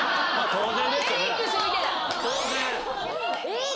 当然。